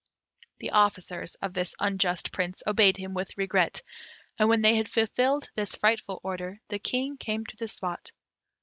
The officers of this unjust Prince obeyed him with regret; and when they had fulfilled this frightful order, the King came to the spot.